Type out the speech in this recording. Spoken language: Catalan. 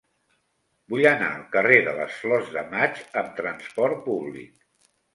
Vull anar al carrer de les Flors de Maig amb trasport públic.